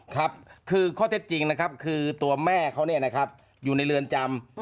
ครับคือข้อเท็จจริงนะครับคือตัวแม่เขาอยู่ในเรือนจำ